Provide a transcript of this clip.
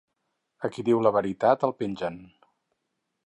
A qui diu la veritat el pengen.